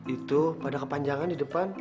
itu pada kepanjangan di depan